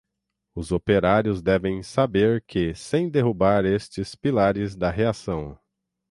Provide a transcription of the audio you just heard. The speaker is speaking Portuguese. Os operários devem saber que sem derrubar estes pilares da reação